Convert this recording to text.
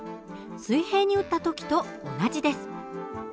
水平に撃った時と同じです。